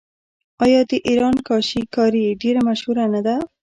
آیا د ایران کاشي کاري ډیره مشهوره نه ده؟